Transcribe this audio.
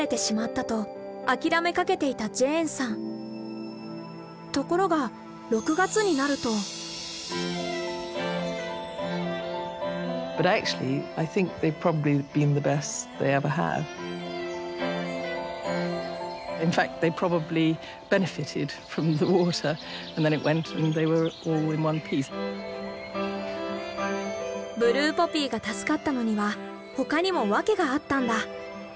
ブルーポピーが助かったのには他にもわけがあったんだ。